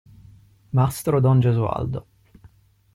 Mastro don Gesualdo.